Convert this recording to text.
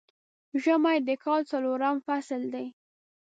ژمی د کال څلورم فصل دی